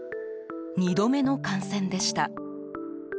２度目の感染でした。